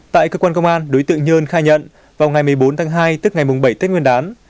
tại cơ quan công an đối tượng nhơn khai nhận vào ngày một mươi bốn tháng hai tức ngày bảy tết nguyên đán